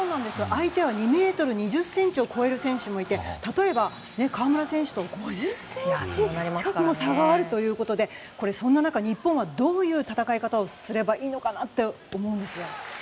相手は２ｍ２０ｃｍを超える選手もいて例えば、河村選手と５０ｃｍ近くも差があるということでそんな中、日本はどういう戦いをすればいいのかなと思うんですが。